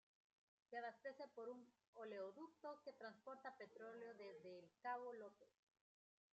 Se abastece por un oleoducto que transporta petróleo desde el cabo López.